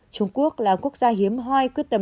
trung quốc là quốc gia hiếm hoai quyết tâm